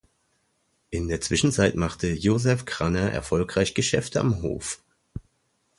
In der Zwischenzeit machte Joseph Kranner erfolgreich Geschäfte Am Hof.